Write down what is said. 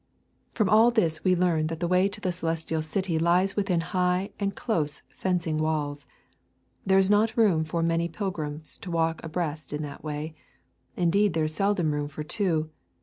From all this we learn that the way to the Celestial City lies within high and close fencing walls. There is not room for many pilgrims to walk abreast in that way; indeed, there is seldom room for two.